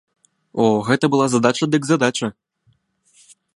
О, гэта была задача дык задача!